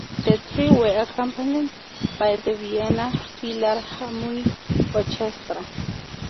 The three were accompanied by the Vienna Philharmonic Orchestra.